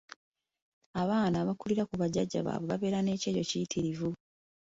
Abaana abaakulira ku bajjajja baabwe babeera n’ekyejo kiyitirivu.